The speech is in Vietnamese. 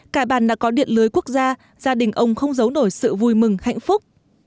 cải bàn đã có điện lưới quốc gia gia đình ông không giấu nổi sự vui mừng hạnh phúc